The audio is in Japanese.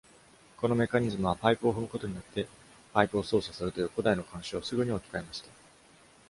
このメカニズムは、パイプを踏むことによってパイプを操作するという古代の慣習をすぐに置き換えました。